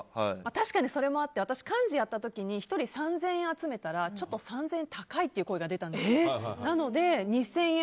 確かにそれもあって私幹事をやった時に１人３０００円集めたらちょっと３０００円は高いという声が出たんですよ